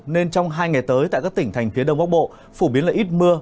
nên trong hai ngày tới tại các tỉnh thành phía đông bắc bộ phổ biến là ít mưa